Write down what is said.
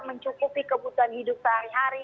mencukupi kebutuhan hidup sehari hari